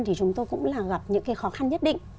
thì chúng tôi cũng gặp những khó khăn nhất định